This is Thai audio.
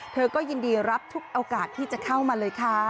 เธอก็ยินดีรับทุกโอกาสที่จะเข้ามาเลยค่ะ